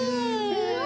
うわ！